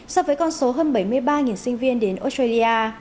so với con số hơn bảy mươi ba sinh viên đến australia